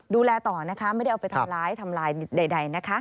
ดูแลต่อนะคะไม่ได้เอาไปทำร้ายทำลายใดนะคะ